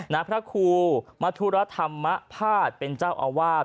พระครูมัธุรธรรมภาษณ์เป็นเจ้าอาวาส